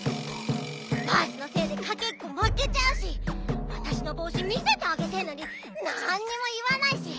バースのせいでかけっこまけちゃうしわたしのぼうし見せてあげてるのになんにもいわないし！